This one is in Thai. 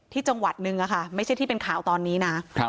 จังหวัดนึงไม่ใช่ที่เป็นข่าวตอนนี้นะ